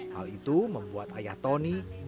hal itu membuat ayah tony tak ingin berpikir